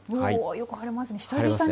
よく晴れますね。